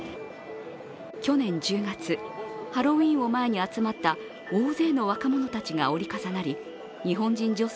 去年１０月、ハロウィーンを前に集まった大勢の若者たちが折り重なり日本人女性